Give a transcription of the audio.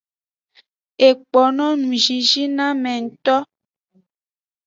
Ekpo no ngzinzin noame ngto.